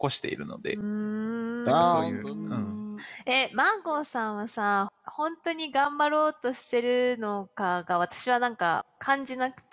マンゴーさんはさ本当に頑張ろうとしているのかが私は何か感じなくて。